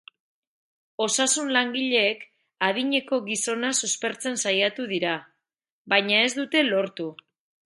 Osasun-langileek adineko gizona suspertzen saiatu dira, baina ez dute lortu.